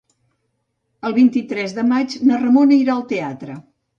El vint-i-tres de maig na Ramona irà al teatre.